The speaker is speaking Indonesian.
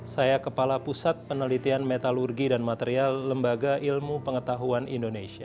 saya kepala pusat penelitian metalurgi dan material lembaga ilmu pengetahuan indonesia